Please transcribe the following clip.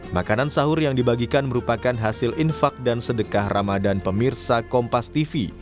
makanan sahur yang dibagikan merupakan hasil infak dan sedekah ramadan pemirsa kompas tv